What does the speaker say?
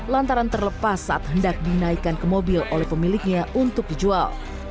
lantaran terlepas saat hendak dinaikkan ke mobil oleh pemiliknya untuk dijual